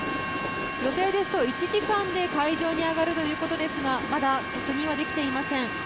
予定ですと１時間で海上に上がるということですがまだ確認はできていません。